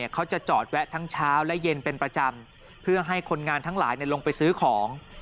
เขาจะจอดแวะทั้งเช้าและเย็นเป็นประจำเพื่อให้คนงานทั้งหลายลงไปซื้อของ